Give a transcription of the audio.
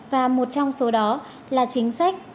và một trong số đó là chính sách